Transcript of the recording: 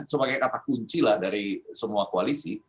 sebagai kata kunci lah dari semua koalisi